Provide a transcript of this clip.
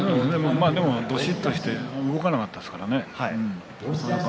でも、どしっとして動かなかったですからね。